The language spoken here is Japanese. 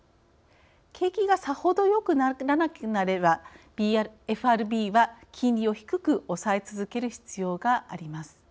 景気がさほどよくならなければＦＲＢは金利を低く抑え続ける必要があります。